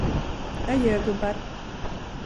Adjö, gubbar!